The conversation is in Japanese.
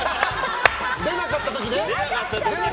出なかった時ね。